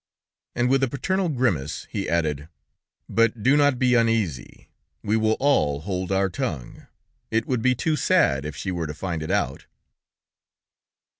And with a paternal grimace, he added: "But do not be uneasy; we will all hold our tongue; it would be too sad if she were to find it out."